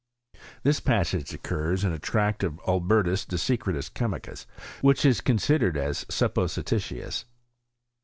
'^ This passage occurs in a tract of Albertni de secretu chemicis, which is considered as suppo sititious.